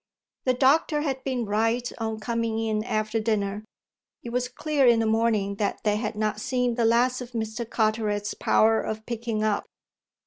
The doctor had been right on coming in after dinner; it was clear in the morning that they had not seen the last of Mr. Carteret's power of picking up.